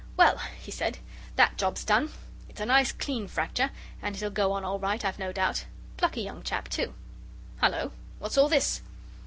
"Well," he said, "THAT job's done. It's a nice clean fracture, and it'll go on all right, I've no doubt. Plucky young chap, too hullo! what's all this?"